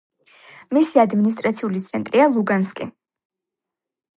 მისი ადმინისტრაციული ცენტრია ლუგანსკი.